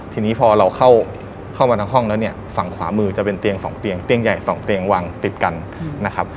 ทีนี้พอเราเข้ามาทางห้องแล้วเนี่ยฝั่งขวามือจะเป็นเตียง๒เตียงเตียงใหญ่๒เตียงวางติดกันนะครับ